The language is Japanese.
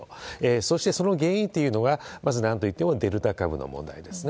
そして、その原因というのが、まず、なんといってもデルタ株の問題ですね。